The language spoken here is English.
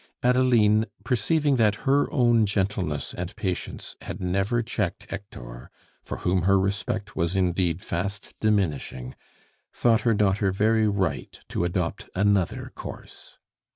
Adeline, perceiving that her own gentleness and patience had never checked Hector, for whom her respect was indeed fast diminishing, thought her daughter very right to adopt another course.